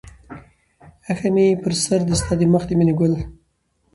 اىښى مې پر سر دى ستا د مخ د مينې گل